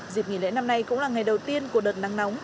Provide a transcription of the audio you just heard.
dịp nghỉ lễ năm nay cũng là ngày đầu tiên của đợt nắng nóng